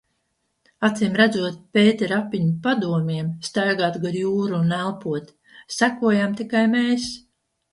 Acīmredzot, Pētera Apiņa padomiem staigāt gar jūru un elpot sekojam tikai mēs.